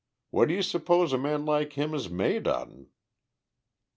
What do you suppose a man like him is made out'n?"